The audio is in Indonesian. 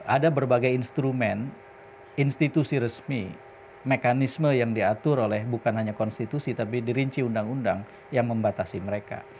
ada berbagai instrumen institusi resmi mekanisme yang diatur oleh bukan hanya konstitusi tapi dirinci undang undang yang membatasi mereka